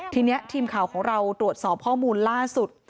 ทีนี้ทีมข่าวของเราตรวจสอบข้อมูลล่าสุด